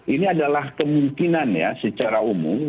ini adalah kemungkinan ya secara umum